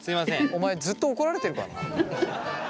お前ずっと怒られてるからな。